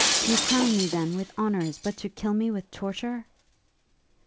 you crown me, then, with honours, but to kill me with torture?'